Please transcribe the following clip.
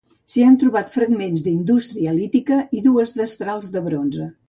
S'hi han trobat fragments d'indústria lítica i dues destrals de Bronze.